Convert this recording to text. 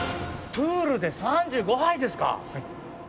プールで３５杯ですか！